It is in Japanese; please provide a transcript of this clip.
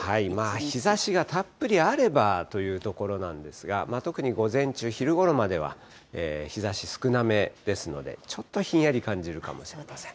日ざしがたっぷりあればというところなんですが、特に午前中、昼ごろまでは日ざし少なめですので、ちょっとひんやり感じるかもしれません。